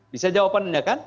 bisa jawabannya kan